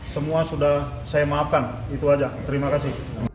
semua sudah saya maafkan itu aja terima kasih